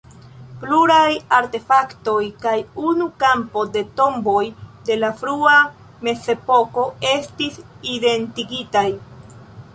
Pluraj artefaktoj kaj unu kampo de tomboj de la frua mezepoko estis identigitaj.